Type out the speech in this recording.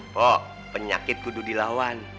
pak penyakit kudu dilawan